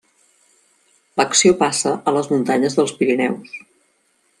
L'acció passa a les muntanyes dels Pirineus.